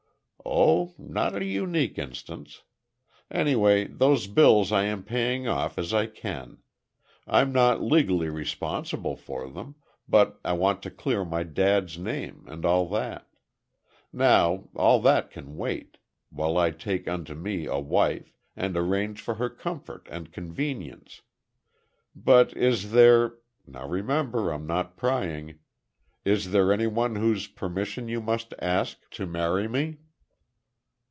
"Oh, not a unique instance. Anyway, those bills I am paying off as I can. I'm not legally responsible for them, but I want to clear my dad's name, and all that. Now, all that can wait—while I take unto me a wife, and arrange for her comfort and convenience. But, is there—now remember, I'm not prying—is there any one whose permission you must ask to marry me?"